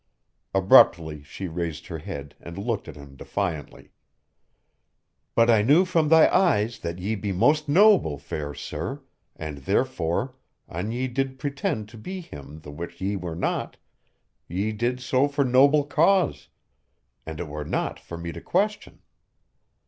Abruptly she raised her head and looked at him defiantly. "But I knew from thy eyes that ye be most noble, fair sir, and therefore an ye did pretend to be him the which ye were not, ye did so for noble cause, and it were not for me to question."